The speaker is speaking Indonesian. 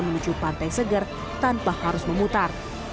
menuju pantai seger tanpa harus memutar